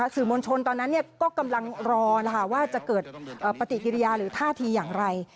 สื่อมวลชนตอนนั้นก็กำลังรอว่าจะเกิดปฏิกิริยาหรือท่าทีอย่างไร